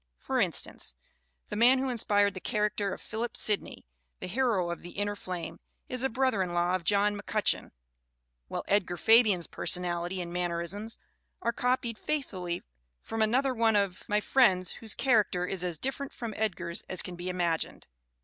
For instance, the man who inspired the character of Philip Sidney, the hero of The Inner Flame, is a brother in law of John Mc Cutcheon; while Edgar Fabian's personality and mannerisms are copied faithfully from another one of my friends whose character is as different from Ed gar's as can be imagined.